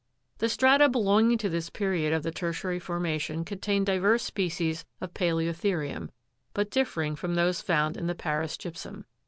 The strata belonging to this period of the tertiary formation contain divers species of paleothe'rium, but differing from those found in the Paris gypsum.